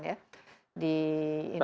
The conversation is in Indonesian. ya di indonesia